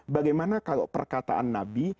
bagaimana kalau perkataan nabi